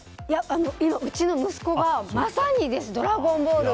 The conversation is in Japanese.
今、うちの息子がまさにです「ドラゴンボール」